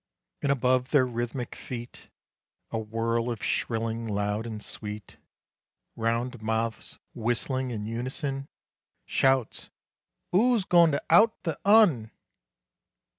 And above their rhythmic feet A whirl of shrilling loud and sweet, Round mouths whistling in unison; Shouts: "'O's goin' to out the 'Un?